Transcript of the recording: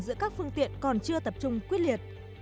giữa các phương tiện còn chưa tập trung quyết liệt